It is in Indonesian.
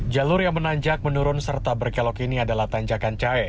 jalur yang menanjak menurun serta berkelok ini adalah tanjakan cahe